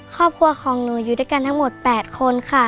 ครอบครัวของหนูอยู่ด้วยกันทั้งหมด๘คนค่ะ